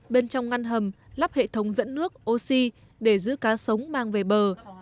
bên trong ngăn hầm lắp hệ thống dẫn nước oxy để giữ cá sống mang về bờ